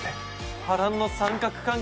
波乱の三角関係！